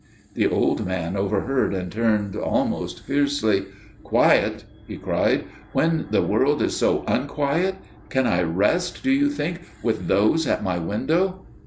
The old man overheard, and turned almost fiercely. "Quiet?" he cried, "when the world is so unquiet! Can I rest, do you think, with those at my window?"